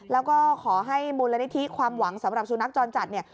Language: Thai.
แล้วก็ขอให้มูลนิธิความหวังสำหรับสุนัขจรจัดเนี่ย